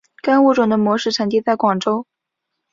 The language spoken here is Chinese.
该物种的模式产地在广州。